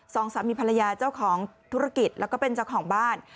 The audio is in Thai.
สองสามีภรรยาเจ้าของธุรกิจแล้วก็เป็นเจ้าของบ้าน